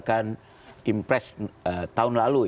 maka agak agak kurang cepat untuk menangani ini